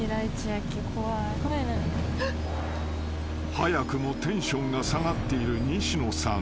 ［早くもテンションが下がっている西野さん］